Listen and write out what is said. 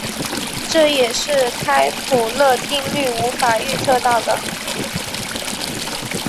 这也是开普勒定律无法预测到的。